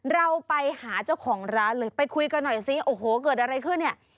เราไปหาเจ้าของร้านเลยไปคุยกันหน่อยซิโอ้โหเกิดอะไรขึ้นเนี่ย